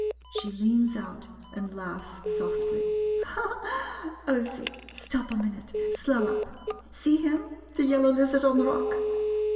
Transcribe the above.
[She leans out, and laughs softly.] Oh, see — stop a minute — slow up. See him — the yellow lizard on the rock?